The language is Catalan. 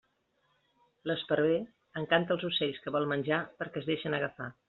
L'esparver encanta els ocells que vol menjar perquè es deixen agafar.